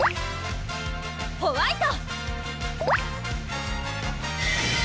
ホワイト！